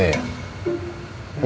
emang gak peduli